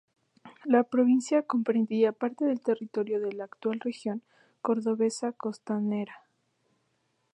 La provincia comprendía parte del territorio de la actual región cordobesa Costanera.